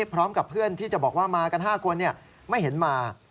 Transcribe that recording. พร้อมกับเพื่อนที่จะบอกว่ามากัน๕คนไม่เห็นมา